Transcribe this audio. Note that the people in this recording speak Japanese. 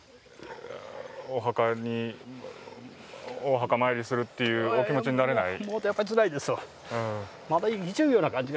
お墓参りするというお気持ちになれない？